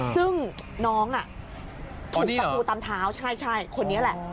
ซึ่งน้องถูกตะปูตามเท้าใช่คนนี้แหละ